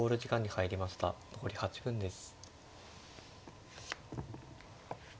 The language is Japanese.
残り８分です。